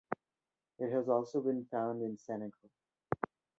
It has also been found in Senegal.